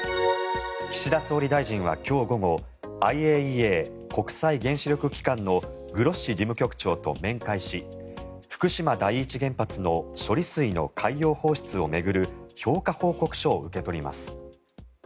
岸田総理大臣は今日午後ＩＡＥＡ・国際原子力機関のグロッシ事務局長と面会し福島第一原発の処理水の海洋放出を巡る評価報告書を受け取ります。